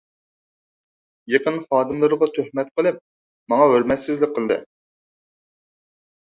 يېقىن خادىملىرىغا تۆھمەت قىلىپ، ماڭا ھۆرمەتسىزلىك قىلدى.